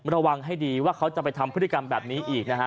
ระวังให้ดีว่าเขาจะไปทำพฤติกรรมแบบนี้อีกนะฮะ